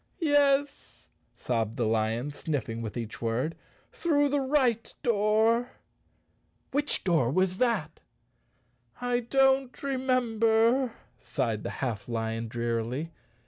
"Yes!" sobbed the lion, sniffing with each word, "through the right door." "Which door was that?" "I don't remember," sighed the half lion drearily.